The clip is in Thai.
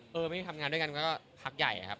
ไม่ได้ทำงานด้วยกันก็พักใหญ่ครับ